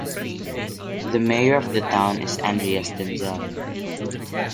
The mayor of the town is Andreas Denzel.